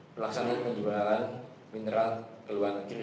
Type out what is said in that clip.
di glotus nehmejarekan mineral luar negeri